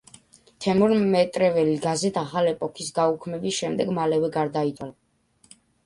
თემურ მეტრეველი გაზეთ „ახალი ეპოქის“ გაუქმების შემდეგ მალევე გარდაიცვალა.